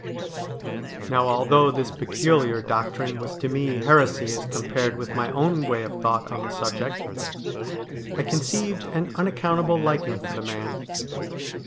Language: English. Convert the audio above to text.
Now, although this peculiar doctrine was to me heresy as compared with my own way of thought on the subject, I con ceived an unaccountable liking for the man.